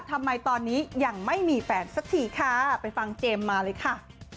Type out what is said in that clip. ทำไมตอนนี้ยังไม่มีแฟนสักทีค่ะไปฟังเจมส์มาเลยค่ะ